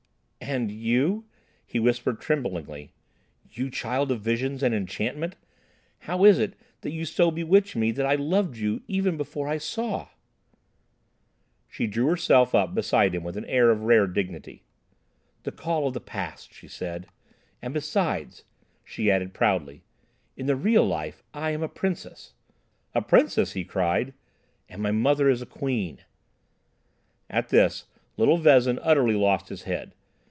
"And you," he whispered tremblingly—"you child of visions and enchantment, how is it that you so bewitch me that I loved you even before I saw?" She drew herself up beside him with an air of rare dignity. "The call of the Past," she said; "and besides," she added proudly, "in the real life I am a princess—" "A princess!" he cried. "—and my mother is a queen!" At this, little Vezin utterly lost his head.